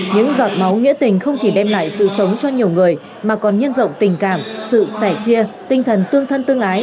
những giọt máu nghĩa tình không chỉ đem lại sự sống cho nhiều người mà còn nhân rộng tình cảm sự sẻ chia tinh thần tương thân tương ái